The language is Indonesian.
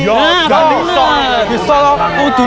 ya sudah diundang